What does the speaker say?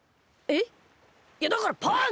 いやだからパンだ！